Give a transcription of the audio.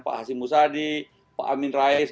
pak hasim musadi pak amin rais